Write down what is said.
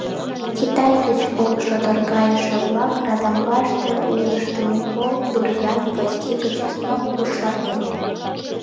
Китай гыч улшо торгайыше-влак радамлаште лывыжтыме кол, дурьян, гвоздика, чеснок пуш шарлен.